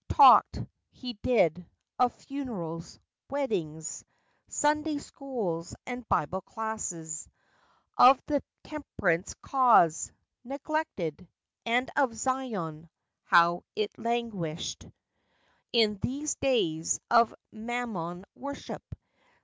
Talked, he did, of funerals, weddings, Sunday schools, and Bible classes; Of the "temp'rance cause," neglected; And of Zion—how it "languished 28 FACTS AND FANCIES. In these days of mammon worship."